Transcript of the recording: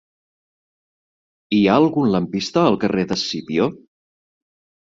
Hi ha algun lampista al carrer d'Escipió?